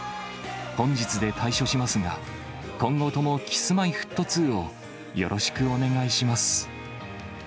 本日で退所しますが、今後ともＫｉｓ−Ｍｙ−Ｆｔ２をよろしくお願いします。